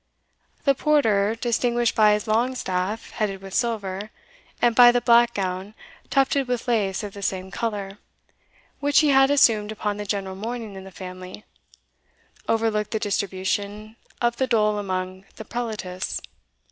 The porter, distinguished by his long staff headed with silver, and by the black gown tufted with lace of the same colour, which he had assumed upon the general mourning in the family, overlooked the distribution of the dole among the prelatists.